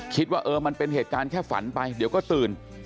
คิดว่าเออมันเป็นเหตุการณ์แค่ฝันไปเดี๋ยวก็ตื่น